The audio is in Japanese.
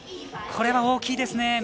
これは大きいですね